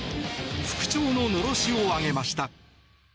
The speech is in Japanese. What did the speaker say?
復調ののろしを上げました。